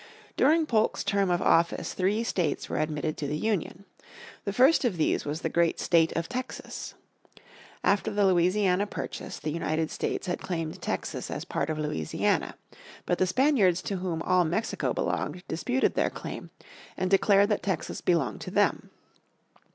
During Polk's term of office three states were admitted to the Union. The first of these was the great State of Texas. After the Louisiana Purchase the United States had claimed Texas as part of Louisiana. But the Spaniards to whom all Mexico belonged disputed their claim, and declared that Texas belonged to them.